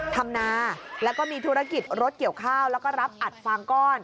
ทำนาแล้วก็มีธุรกิจรถเกี่ยวข้าวแล้วก็รับอัดฟางก้อน